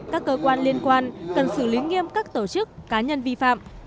các cơ quan liên quan cần xử lý nghiêm các tổ chức cá nhân vi phạm